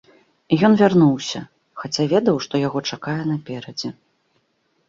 І ён вярнуўся, хаця ведаў, што яго чакае наперадзе.